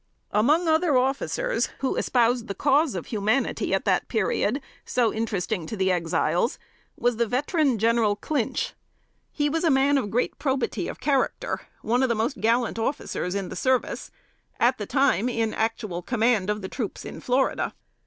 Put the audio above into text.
Among other officers who espoused the cause of humanity at that period, so interesting to the Exiles, was the veteran General Clinch. He was a man of great probity of character one of the most gallant officers in the service at the time in actual command of the troops in Florida.